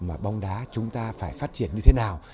mà bóng đá chúng ta phải phát triển như thế nào